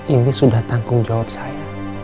ini sudah tanggung jawab saya